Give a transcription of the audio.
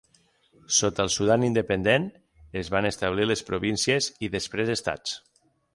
Sota el Sudan independent es van establir les províncies i després estats.